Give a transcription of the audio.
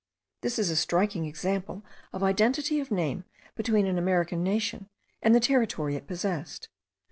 This is a striking example of identity of name between an American nation and the territory it possessed.